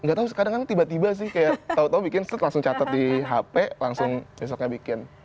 nggak tau kadang kadang tiba tiba sih kayak tau tau bikin set langsung catet di hp langsung besoknya bikin